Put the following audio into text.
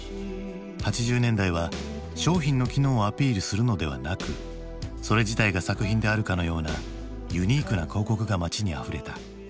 ８０年代は商品の機能をアピールするのではなくそれ自体が作品であるかのようなユニークな広告が街にあふれた。